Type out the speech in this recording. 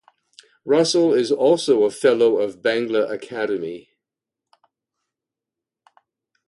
Russell is also a Fellow of Bangla Academy.